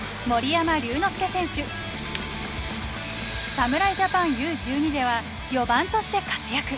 侍ジャパンＵ−１２では４番として活躍。